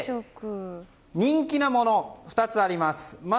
人気なものが２色あります。